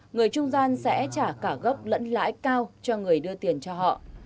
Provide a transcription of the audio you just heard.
người trung gian sẽ trả cả gốc lẫn lãi cao cho người đưa tiền cho họ